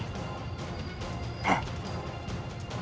mereka tak intinya mengganggu kandang wasih